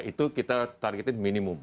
itu kita targetkan minimum